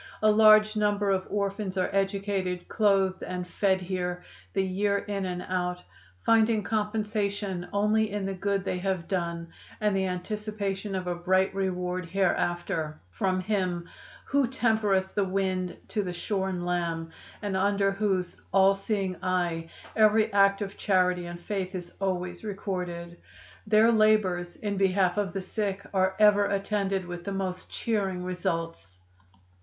A large number of orphans are educated, clothed and fed here the year in and out, finding compensation only in the good they have done and the anticipation of a bright reward hereafter, from Him 'Who tempereth the wind to the shorn lamb,' and under whose 'All seeing Eye' every act of charity and faith is always recorded. Their labors in behalf of the sick are ever attended with the most cheering results.